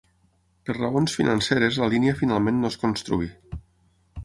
Per raons financeres la línia finalment no es construí.